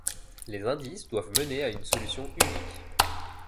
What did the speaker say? Les indices doivent mener à une solution unique.